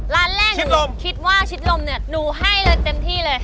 ร้านแรกหนูคิดว่าชิดลมเนี่ยหนูให้เลยเต็มที่เลย